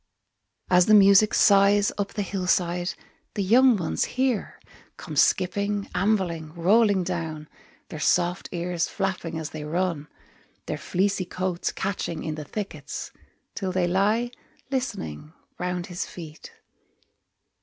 As the music sighs up the hill side, The young ones hear, Come skipping, ambling, rolling down, Their soft ears flapping as they run, Their fleecy coats catching in the thickets, Till they lie, listening, round his feet.